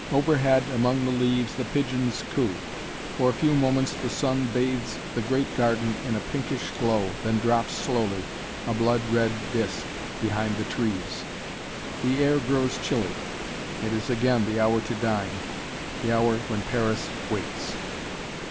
Overhead, among the leaves, the pigeons coo. For a few moments the sun bathes the great garden in a pinkish glow, then drops slowly, a blood red disk, behind the trees. The air grows chilly; it is again the hour to dine the hour when Paris wakes.